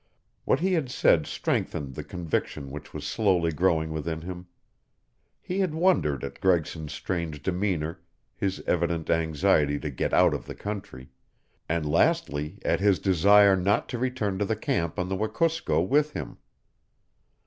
What he had said strengthened the conviction which was slowly growing within him. He had wondered at Gregson's strange demeanor, his evident anxiety to get out of the country, and lastly at his desire not to return to the camp on the Wekusko with him.